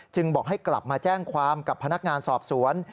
บอกให้กลับมาแจ้งความกับพนักงานสอบสวน